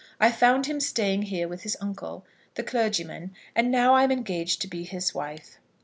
I found him staying here with his uncle, the clergyman, and now I am engaged to be his wife.